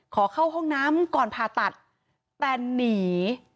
ขอเข้าห้องน้ำก่อนผ่าตัดแต่หนี